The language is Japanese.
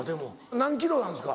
何ｋｇなんですか？